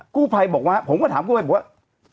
กู้ภัยบอกว่าผมก็ถามกู้ภัยบอกว่า